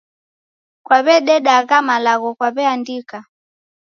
Kwaw'ededa agha malagho kwaw'eandika?